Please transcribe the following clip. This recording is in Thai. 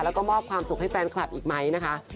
แล้วก็มอบความสุขให้แฟนคลับอีกไหมนะคะ